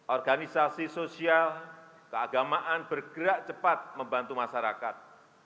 organisasi sosial keagamaan bergerak cepat membantu masyarakat